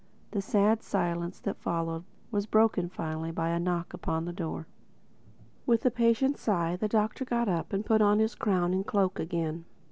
The sad silence that followed was broken finally by a knock upon the door. With a patient sigh the Doctor got up and put on his crown and cloak again.